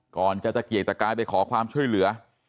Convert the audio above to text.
ก่อนจะตะเกียกตะกายไปขอความช่วยเหลือ